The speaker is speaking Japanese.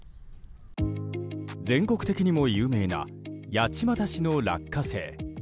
全国的にも有名な八街市の落花生。